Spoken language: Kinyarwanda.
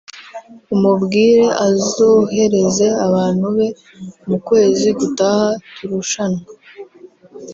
umubwire azohereze abantu be mu kwezi gutaha turushanwe